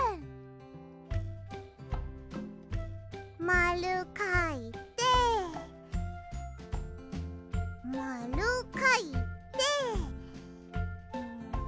まるかいてまるかいて。